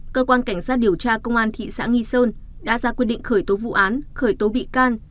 cơ quan cảnh sát điều tra công an thị xã nghi sơn đã ra quyết định khởi tố vụ án khởi tố bị can